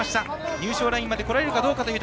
入賞ラインまで来れるかどうか。